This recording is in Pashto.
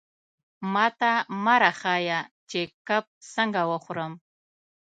ماته مه را ښیه چې کب څنګه وخورم.